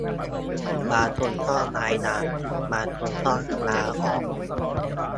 บางคนก็ย้ายงาน บางคนก็ลาออก